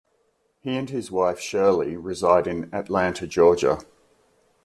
He and his wife, Shirley, reside in Atlanta, Georgia.